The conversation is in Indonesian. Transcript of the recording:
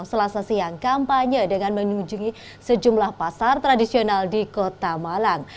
selasa siang kampanye dengan mengunjungi sejumlah pasar tradisional di kota malang